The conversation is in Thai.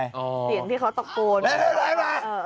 อ๋อเสียงที่เขาตกโปรด